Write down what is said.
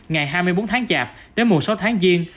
ngày hai mươi bốn tháng chạp đến mùa sáu tháng giêng